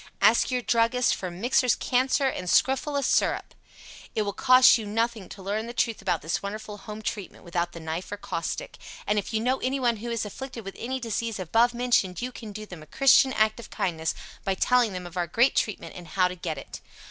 Ask your Druggist for MIXER'S CANCER & SCROFULA SYRUP. It will cost you nothing to learn the truth about this wonderful home treatment without the knife or caustic. And if you know anyone who is afflicted with any disease above mentioned, you can do them a Christian act of kindness by telling them of our great treatment and how to get it.